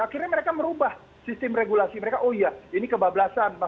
kita nggak membatasi melarang dan sebagainya